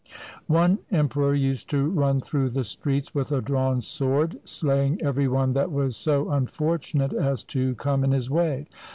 One emperor used to run through the streets with a drawn sword, slaying every one that was so unfortunate as to come in his way.